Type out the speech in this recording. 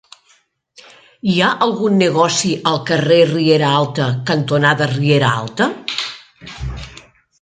Hi ha algun negoci al carrer Riera Alta cantonada Riera Alta?